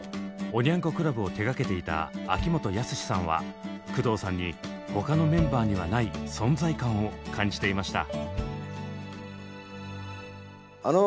「おニャン子クラブ」を手がけていた秋元康さんは工藤さんに他のメンバーにはない存在感を感じていました。